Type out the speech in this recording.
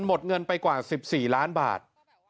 หมดเงินไปกว่า๑๔ล้านบาท